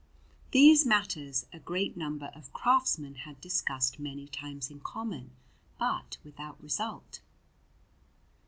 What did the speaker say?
These matters a great number of craftsmen had discussed many times in common, but without result.